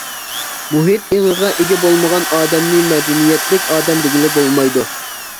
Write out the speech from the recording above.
مۇھىت ئېڭىغا ئىگە بولمىغان ئادەمنى مەدەنىيەتلىك ئادەم دېگىلى بولمايدۇ.